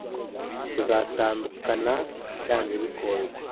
Tuzatandukana byanze bikunze